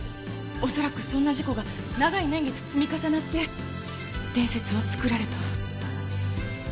恐らくそんな事故が長い年月積み重なって伝説は作られた。